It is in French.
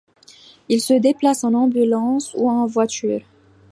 Il se déplace en ambulance ou en voiture.